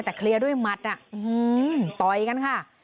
แต่เคลียร์ด้วยมัดน่ะอือหือต่อยกันค่ะ